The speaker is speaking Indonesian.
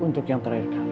untuk yang terakhir kali